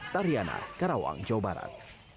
tariana karawang jawa barat